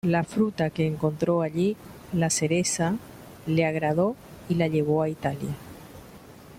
La fruta que encontró allí, la cereza, le agradó y la llevó a Italia.